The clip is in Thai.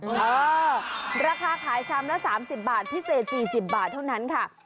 เออราคาขายชามละ๓๐บาทพิเศษ๔๐บาทเท่านั้นค่ะ